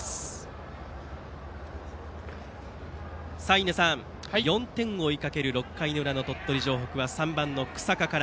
印出さん、４点を追いかける６回の裏の鳥取城北は３番の日下から。